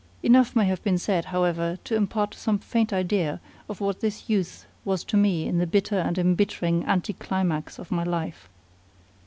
Enough may have been said, however, to impart some faint idea of what this youth was to me in the bitter and embittering anti climax of my life.